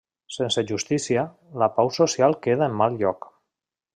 Sense justícia, la pau social queda en mal lloc.